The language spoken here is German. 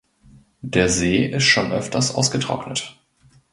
Der See ist schon öfters ausgetrocknet.